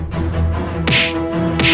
jangan kiem parah